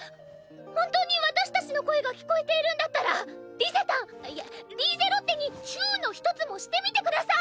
本当に私たちの声が聞こえているんだったらリゼたんあっいやリーゼロッテにチュウの一つもしてみてください。